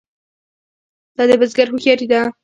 دا د بزګر هوښیاري ده.